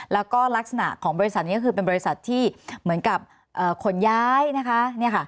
แล้วก็ลักษณะของบริษัทนี้ก็คือเป็นบริษัทที่เหมือนกับขนย้ายนะคะ